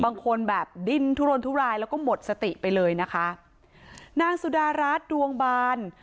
บางคนแบบดิ้นทุรนทุรายแล้วก็หมดสติไปเลยนะคะนางสุดารัฐดวงบาน